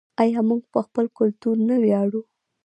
آیا موږ په خپل کلتور نه ویاړو؟